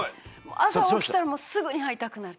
朝起きたらもうすぐに会いたくなる。